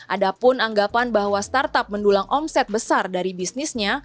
ada pun anggapan bahwa startup mendulang omset besar dari bisnisnya